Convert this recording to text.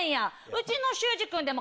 うちの。